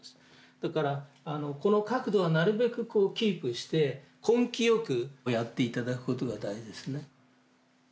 だからこの角度はなるべくこうキープして根気よくやって頂くことが大事ですね。